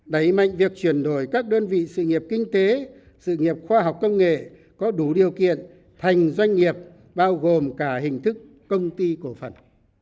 đẩy mạnh việc chuyển đổi các đơn vị sự nghiệp kinh tế sự nghiệp khoa học công nghệ có đủ điều kiện thành doanh nghiệp bao gồm cả hình thức công ty cổ phần